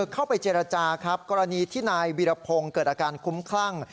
เข้าไปเจรจาครับกรณีที่นายวีรพงศ์เกิดอาการคุ้มคลั่ง